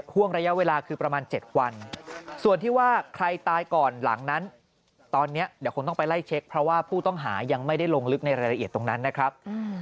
เพราะว่าผู้ต้องหายังไม่ได้ลงลึกในรายละเอียดตรงนั้นนะครับ